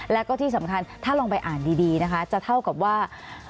แล้วก็ที่สำคัญถ้าลองไปอ่านดีนะคะจะเท่ากับว่า